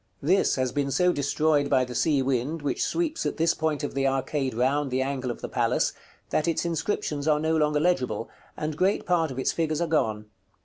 This has been so destroyed by the sea wind, which sweeps at this point of the arcade round the angle of the palace, that its inscriptions are no longer legible, and great part of its figures are gone.